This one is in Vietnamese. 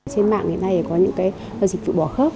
trên mạng này có những cái dịch vụ bỏ khớp